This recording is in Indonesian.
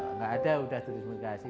nggak ada sudah diskriminasi